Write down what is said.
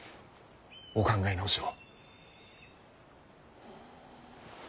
お考え直しを。